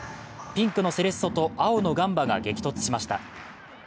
ピンクのセレッソと青のガンバが激突しました。